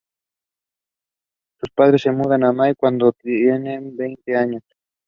Sus padres se mudan a Miami cuando tenía veinte años.